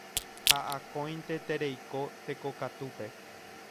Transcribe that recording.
Ha akóinte tereiko tekokatúpe